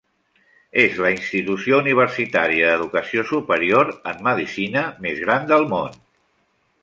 És la institució universitària d'educació superior en medicina més gran del món.